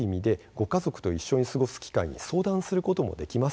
ある意味家族と一緒に過ごす時間も長く相談することもできます。